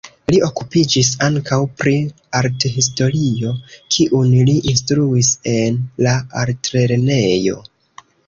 Li okupiĝis ankaŭ pri arthistorio, kiun li instruis en la altlernejo.